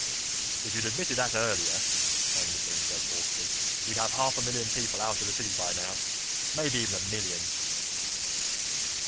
"If you'd admitted that earlier," Anderton said hoarsely, "we'd have half a million people out of the city by now. Maybe even a million."